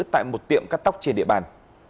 tại một tiệm cắt tóc trên địa bàn